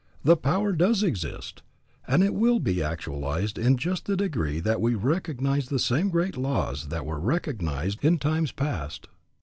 The power does exist, and it will be actualized in just the degree that we recognize the same great laws that were recognized in times past.